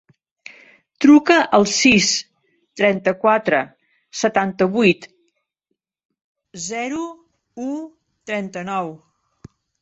Truca al sis, trenta-quatre, setanta-vuit, zero, u, trenta-nou.